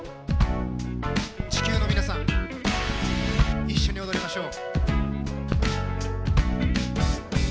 地球の皆さん一緒に踊りましょう。